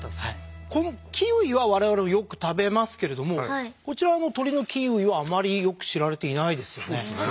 このキウイは我々はよく食べますけれどもこちらの鳥のキーウィはあまりよく知られていないですよね。